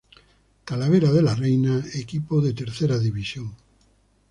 Talavera de la Reina, equipo de Tercera División.